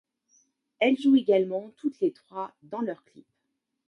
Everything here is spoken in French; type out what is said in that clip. Elles jouent également toutes les trois dans leurs clips.